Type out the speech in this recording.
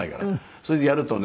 それでやるとね